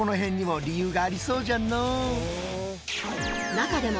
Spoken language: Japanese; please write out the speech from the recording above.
中でも